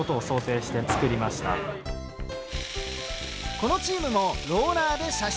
このチームもローラーで射出。